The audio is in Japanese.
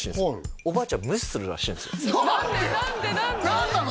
何なの？